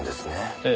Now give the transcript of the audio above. ええ。